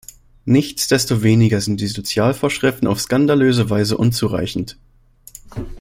Nichtsdestoweniger sind die Sozialvorschriften auf skandalöse Weise unzureichend.